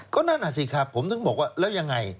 ก็นั่นอ่ะสิครับผมถึงบอกว่าแล้วยังไง